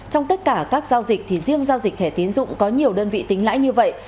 trong tất cả các giao dịch thì riêng giao dịch thẻ tiến dụng có nhiều đơn vị tính lãi như vậy